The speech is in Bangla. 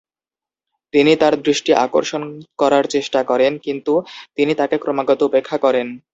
তিনি তার দৃষ্টি আকর্ষণ করার চেষ্টা করেন, কিন্তু তিনি তাকে ক্রমাগত উপেক্ষা করেন।